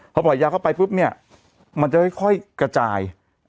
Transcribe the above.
พอปล่อยยาเข้าไปปุ๊บเนี่ยมันจะค่อยกระจาย